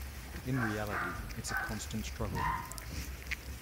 In reality, it's a constant struggle.